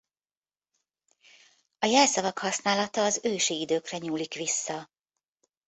A jelszavak használata az ősi időkre nyúlik vissza.